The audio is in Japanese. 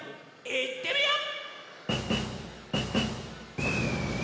いってみよう！